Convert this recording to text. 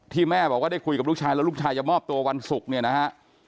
แม่บอกว่าได้คุยกับลูกชายแล้วลูกชายจะมอบตัววันศุกร์เนี่ยนะฮะ